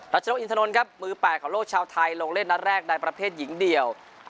ชนกอินทนนท์ครับมือ๘ของโลกชาวไทยลงเล่นนัดแรกในประเภทหญิงเดียว